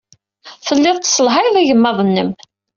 Telliḍ tesselhayeḍ igmaḍ-nnem.